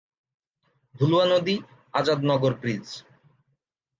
ভুলুয়া নদী, আজাদ নগর ব্রীজ।